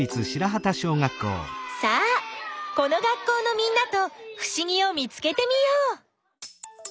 さあこの学校のみんなとふしぎを見つけてみよう。